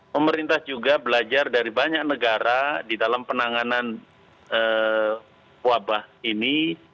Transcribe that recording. pemerintah juga belajar dari banyak negara di dalam penanganan wabah ini